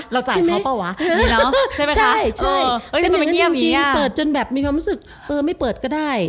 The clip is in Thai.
เราจ่ายเขาเปล่าวะใช่มั้ยคะใช่จนแบบมีความรู้สึกเออไม่เปิดก็ได้